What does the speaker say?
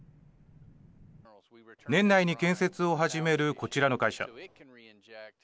年内に建設を始めるこちらの会社。